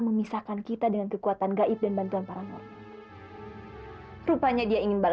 erika sekarang kamu makan dulu ya